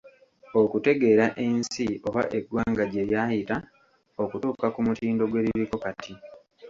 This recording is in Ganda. Okutegeera ensi oba eggwanga gye lyayita okutuuka ku mutindo gwe liriko kati.